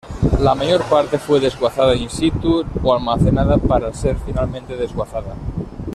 La mayor parte fue desguazada in situ, o almacenada para ser finalmente desguazada.